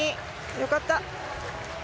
良かった。